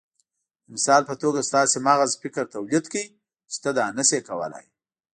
د مثال په توګه ستاسې مغز فکر توليد کړ چې ته دا نشې کولای.